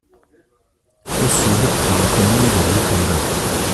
Au Sud, par la Commune de Lukonga.